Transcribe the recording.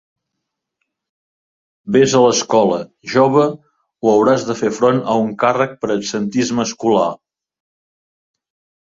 Vés a l'escola, jove, o hauràs de fer front a un càrrec per absentisme escolar!